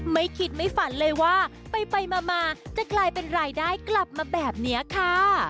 ไม่คิดไม่ฝันเลยว่าไปมาจะกลายเป็นรายได้กลับมาแบบนี้ค่ะ